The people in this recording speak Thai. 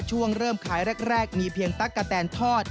เริ่มขายแรกมีเพียงตั๊กกะแตนทอด